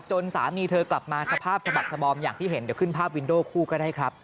สามีเธอกลับมาสภาพสะบักสบอมอย่างที่เห็นเดี๋ยวขึ้นภาพวินโดคู่ก็ได้ครับ